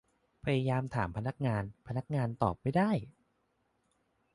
พยายามถามพนักงาน พนักงานตอบไม่ได้